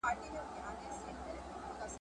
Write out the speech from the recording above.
له اوله خدای پیدا کړم له خزان سره همزولی ..